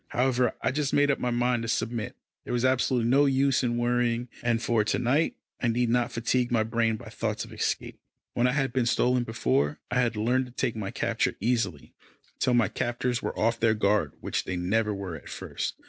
However, I just made up my mind to submit. There was absolutely no use in worrying, and for to night, I need not fatigue my brain by thoughts of escape. When I had been stolen before, I had learned to take my capture easily, till my captors were off their guard which they never were at first.